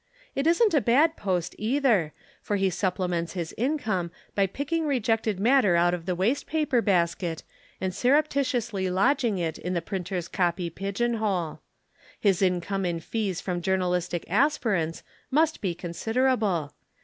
It isn't a bad post either, for he supplements his income by picking rejected matter out of the waste paper basket and surreptitiously lodging it in the printer's copy pigeonhole. His income in fees from journalistic aspirants must be considerable.